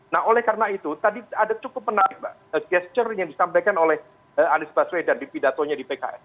nah oleh karena itu tadi ada cukup menarik pak gesture yang disampaikan oleh anies baswedan di pidatonya di pks